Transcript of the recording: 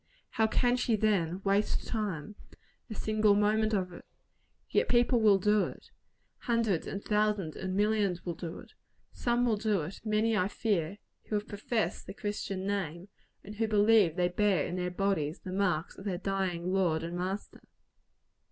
How can she, then, waste time a single moment of it? Yet people will do it. Hundreds, and thousands, and millions, will do it. Some will do it many, I fear who have professed the Christian name, and who believe that they bear in their bodies the marks of their dying Lord and Master.